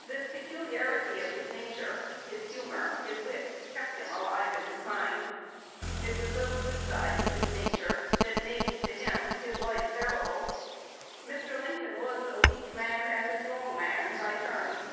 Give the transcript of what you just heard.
This peculiarity of his nature, his humor, his wit, kept him alive in his mind.... It was those good sides of his nature that made, to him, his life bearable. Mr. Lincoln was a weak man and a strong man by turns."